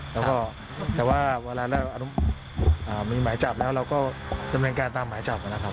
แล้วก็แต่ว่าเวลาเรามีหมายจับแล้วเราก็ดำเนินการตามหมายจับนะครับ